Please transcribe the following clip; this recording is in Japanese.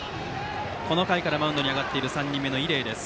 この回からマウンドに上がっている３人目の伊禮です。